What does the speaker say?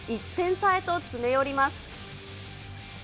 １点差へと詰め寄ります。